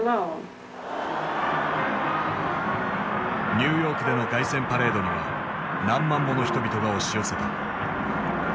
ニューヨークでの凱旋パレードには何万もの人々が押し寄せた。